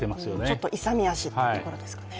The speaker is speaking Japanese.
ちょっと勇み足というところですかね。